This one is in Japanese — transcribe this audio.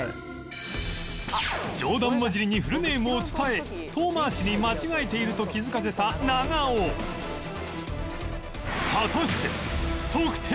冗談交じりにフルネームを伝え遠回しに間違えていると気づかせた長尾１００点。